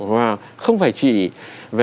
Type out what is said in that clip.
và không phải chỉ về